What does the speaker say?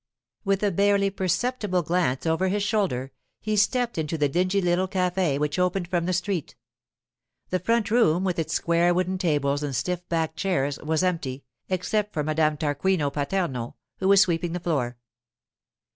With a barely perceptible glance over his shoulder, he stepped into the dingy little café which opened from the street. The front room, with its square wooden tables and stiff backed chairs, was empty, except for Madame Tarquinio Paterno, who was sweeping the floor.